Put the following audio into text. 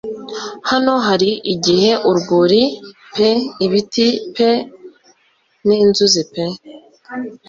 hano hari igihe urwuri pe ibiti pe ninzuzi pe